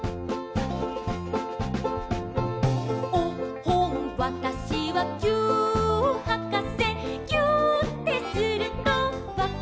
「おっほんわたしはぎゅーっはかせ」「ぎゅーってするとわかるのよ」